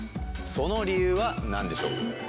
その理由は何でしょう？